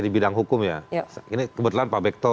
di bidang hukum ya ini kebetulan pak bekto